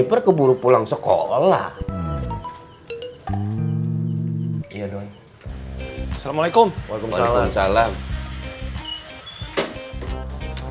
perkeburu pulang sekolah iya doi assalamualaikum waalaikumsalam waalaikumsalam waalaikumsalam